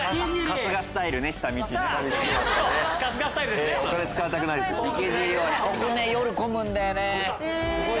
春日スタイルですね。